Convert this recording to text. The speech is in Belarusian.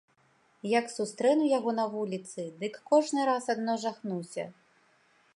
Як сустрэну яго на вуліцы, дык кожны раз ажно жахнуся.